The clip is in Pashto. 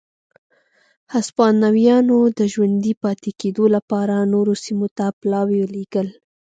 هسپانویانو د ژوندي پاتې کېدو لپاره نورو سیمو ته پلاوي لېږل.